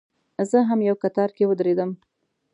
زه هم یو کتار کې ودرېدلم.